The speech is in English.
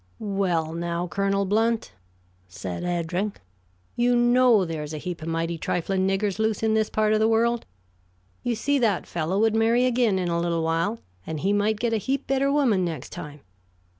"Well, now, Colonel Blount," said Eddring, "you know there's a heap of mighty trifling niggers loose in this part of the world. You see, that fellow would marry again in a little while, and he might get a heap better woman next time.